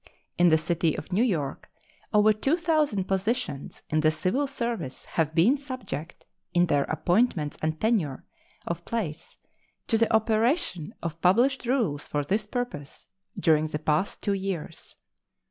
In the city of New York over 2,000 positions in the civil service have been subject in their appointments and tenure of place to the operation of published rules for this purpose during the past two years.